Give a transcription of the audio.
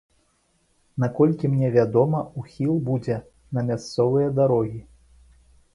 Наколькі мне вядома, ухіл будзе на мясцовыя дарогі.